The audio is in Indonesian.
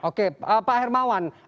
oke pak hermawan